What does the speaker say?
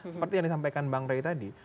seperti yang disampaikan bang rey tadi